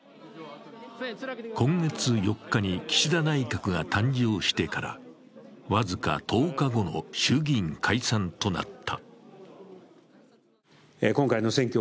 今月４日に岸田内閣が誕生してから僅か１０日後の衆議院解散となった。